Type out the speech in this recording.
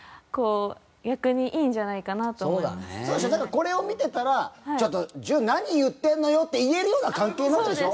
これを見てたら「ちょっと隼何言ってんのよ！」って言えるような関係なわけでしょ。